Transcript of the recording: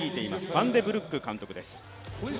ファンデブルック監督です。